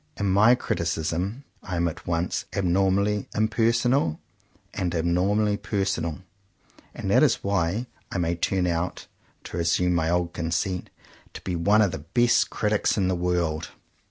In my criticism I am at once abnormally impersonal, and abnormally personal; and that is why I may turn out — to resume my old conceit — to be one of the best critics in the world.